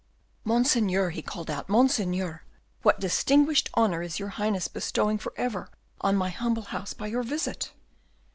"Monseigneur," he called out, "Monseigneur! What distinguished honour is your Highness bestowing for ever on my humble house by your visit?"